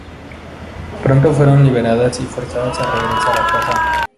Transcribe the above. Pronto fueron liberadas y forzadas a regresar a casa.